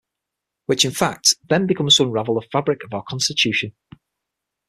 Which in fact, then begins to unravel the fabric of our Constitution.